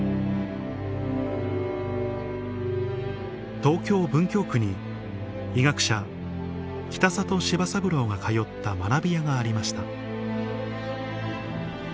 東京・文京区に医学者北里柴三郎が通った学びやがありました